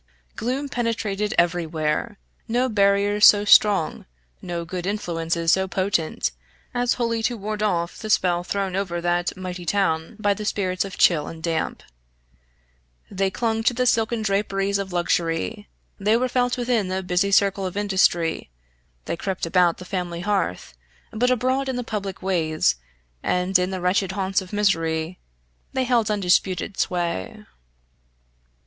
Gloom penetrated every where; no barriers so strong, no good influences so potent, as wholly to ward off the spell thrown over that mighty town by the spirits of chill and damp; they clung to the silken draperies of luxury, they were felt within the busy circle of industry, they crept about the family hearth, but abroad in the public ways, and in the wretched haunts of misery, they held undisputed sway.